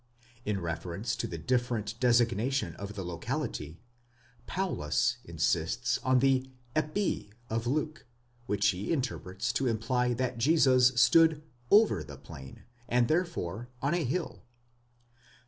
In reference to the different designation of the locality, Paulus insists on the ἐπὶ of Luke, which he interprets to imply that Jesus stood over the plain, and therefore on a hill.